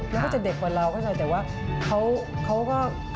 แล้วก็จะเด็กกว่าเรา